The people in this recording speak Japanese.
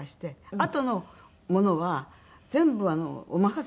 あとのものは全部お任せしました。